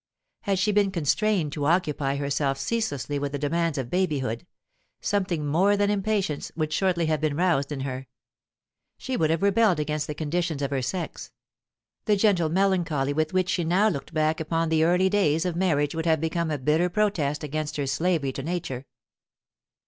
Had she been constrained to occupy herself ceaselessly with the demands of babyhood, something more than impatience would shortly have been roused in her: she would have rebelled against the conditions of her sex; the gentle melancholy with which she now looked back upon the early days of marriage would have become a bitter protest against her slavery to nature.